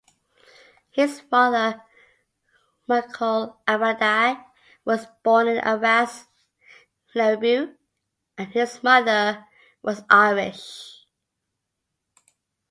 His father, Michel Abbadie, was born in Arrast-Larrebieu and his mother was Irish.